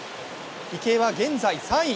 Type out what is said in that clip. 池江は現在３位。